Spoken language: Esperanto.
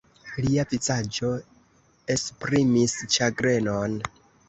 Lia vizaĝo esprimis ĉagrenon.